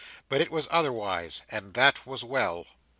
But it was otherwise, and that was well.